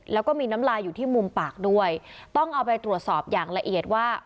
แล้วก็มีน้ำลายอยู่ที่มุมปากด้วยต้องเอาไปตรวจสอบอย่างละเอียดว่า